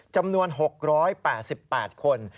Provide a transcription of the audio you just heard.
จำนวน๖๘๘คน